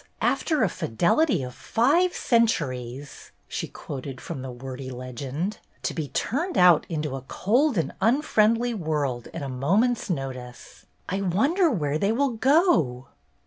'After a fidelity of five centuries/'' she quoted from the wordy legend, " to be turned out into a cold and un friendly world at a moment's notice 1 I wonder where they will go."